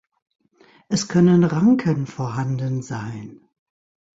Es können Ranken vorhanden sein.